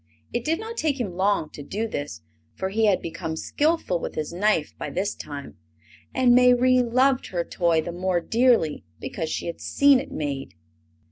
It did not take him long to do this, for he had become skillful with his knife by this time, and Mayrie loved her toy the more dearly because she had seen it made.